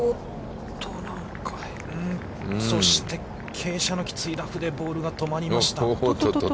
そして、傾斜のきついラフでボールが止まりました。